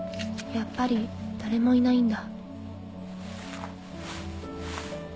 やっぱり誰もいないんだ。